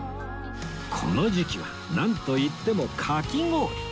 この時期はなんといってもかき氷！